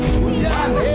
utari hujan utari